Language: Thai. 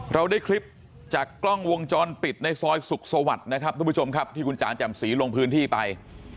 เราได้คลิปจากกล้องวงจรปิดในซอยสุขสวัสดิ์นะครับทุกผู้ชมครับที่คุณจ๋าแจ่มสีลงพื้นที่ไป